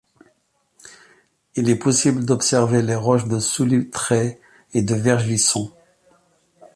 Il est possible d'observer les roches de Solutré et de Vergisson.